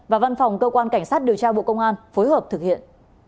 và văn phòng cơ quan cảnh sát điều tra bộ công an phối hợp thực hiện